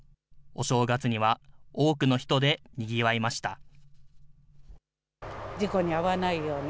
お正月には多くの人でにぎわいました。